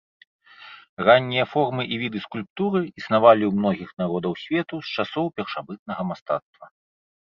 Раннія формы і віды скульптуры існавалі ў многіх народаў свету з часоў першабытнага мастацтва.